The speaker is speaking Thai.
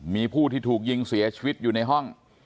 มีผู้ที่ถูกยิงเสียชีวิตอยู่ในห้อง